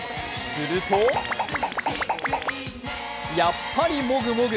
するとやっぱりもぐもぐ。